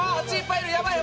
やばい！